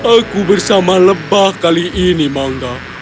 aku bersama lebah kali ini mangga